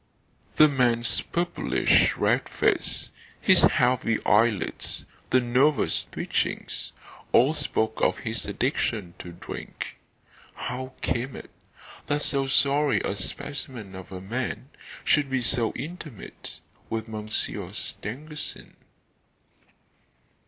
The man's purplish red face, his heavy eyelids, the nervous twitchings, all spoke of his addiction to drink. How came it that so sorry a specimen of a man should be so intimate with Monsieur Stangerson?